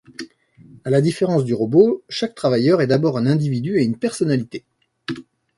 À la différence du robot, chaque travailleur est d'abord un individu et une personnalité.